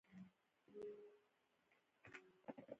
مېرمن راډیو د ښځینه قشر د ستونزو سپړونکې ده.